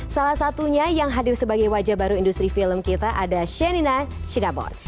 salah satunya yang hadir sebagai wajah baru industri film kita ada shenina sinamon